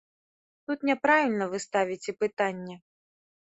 Тут няправільна вы ставіце пытанне.